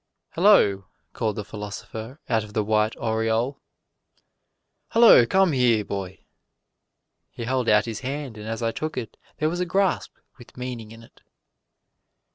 "Hello!" called the philosopher, out of the white aureole. "Hello! come here, boy!" He held out his hand and as I took it there was a grasp with meaning in it.